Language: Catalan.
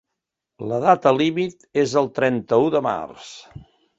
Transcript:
La data límit és el trenta-u de març.